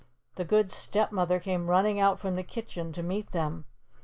The Good Stepmother came running out from the kitchen to meet them.